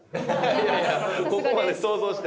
いやいやここまで想像して？